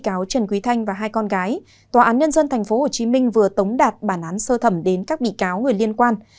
bị cáo trần quý thanh và hai con gái tòa án nhân dân tp hcm vừa tống đạt bản án sơ thẩm đến các bị cáo người liên quan